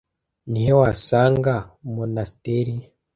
Ni he wasanga Monasteri